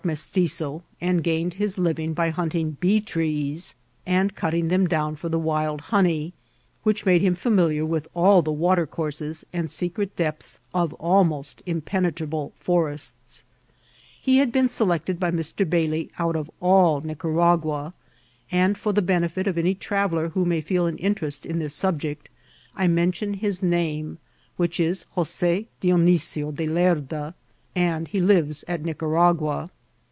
I.— 3 E <0t IWCIDBITTI or TRATXL. MmldttOj and gained hia living by hnntii^ bee trees, aad cutting them down fcMr the wild honey, which made him ^■"M^»«> with all the water oonraes and secret depthi of afanoet in^netraUe forests* He had been selected by Mr. Bailey out of all Nicaragua ; and for the bene fit of any traveller who may feel an interest in tfiis sob 'ject| I mention his namci which is Jos6 Dimisio ds Lerda, and he lives at Nioaragoa.